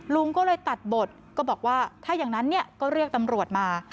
ลุงก็เลยตัดบทก็บอกว่าถ้าอย่างนั้นเนี่ยก็เรียกตำรวจมา